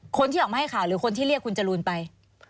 คนที่ออกมาให้ข่าวหรือคนที่เรียกคุณจรูนไป